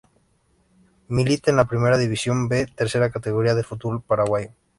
Milita en la Primera División B, tercera categoría del fútbol paraguayo.